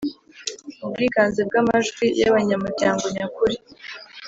ubwiganze bw amajwi y abanyamuryango nyakuri